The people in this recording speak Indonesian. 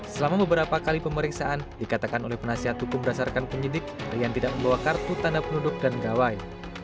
selama beberapa kali pemeriksaan dikatakan oleh penasihat hukum berdasarkan penyidik rian tidak membawa kartu tanda penduduk dan gawai